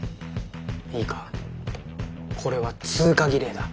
いいかこれは通過儀礼だ。